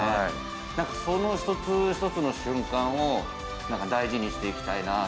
何かその一つ一つの瞬間を大事にしていきたいなと。